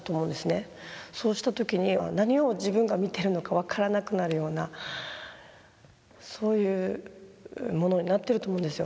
そうした時に何を自分が見てるのか分からなくなるようなそういうものになってると思うんですよ。